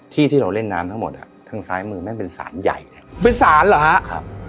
ที่เราเล่นน้ำทั้งหมดอ่ะทางซ้ายมือแม่งเป็นศาลใหญ่เนี่ยเป็นสารเหรอฮะครับ